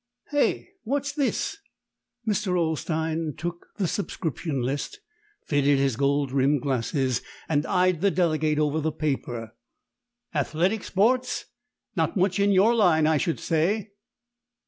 "Hey? What's this?" Mr. Olstein took the subscription list, fitted his gold rimmed glasses and eyed the delegate over the paper. "Athletic sports? Not much in your line, I should say."